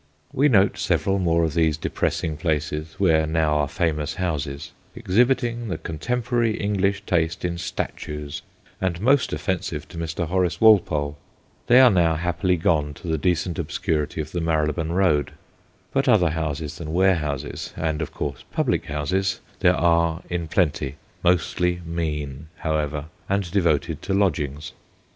We notice several more of these depressing places, where now are famous houses, exhibiting the contemporary IN 1730 13 English taste in statues and most offensive to Mr. Horace Walpole. They are now happily gone to the decent obscurity of the Marylebone Road. But other houses than warehouses and of course public houses there are in plenty, mostly mean, however, and devoted to lodgings.